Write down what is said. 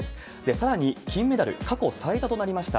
さらに金メダル過去最多となりました